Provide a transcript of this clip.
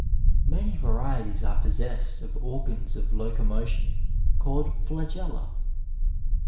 Many varieties are possessed of organs of locomotion called fiageUa.